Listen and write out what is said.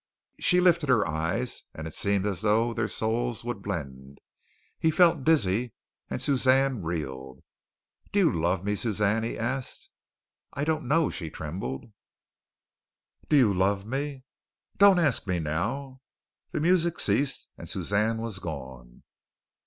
She lifted her eyes and it seemed as though their souls would blend. He felt dizzy, and Suzanne reeled. "Do you love me, Suzanne?" he asked. "I don't know," she trembled. "Do you love me?" "Don't ask me now." The music ceased and Suzanne was gone.